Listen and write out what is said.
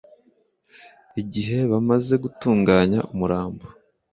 Igihe bamaze gutunganya umurambo